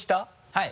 はい。